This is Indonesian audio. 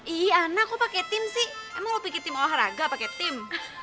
iya ana kok pake tim sih emang lo pikir tim olahraga pake tim